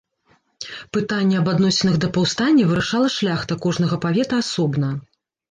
Пытанне аб адносінах да паўстання вырашала шляхта кожнага павета асобна.